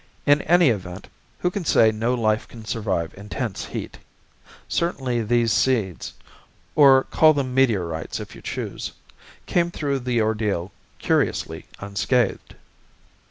In any event, who can say no life can survive intense heat? Certainly these seeds or call them meteorites, if you choose came through the ordeal curiously unscathed."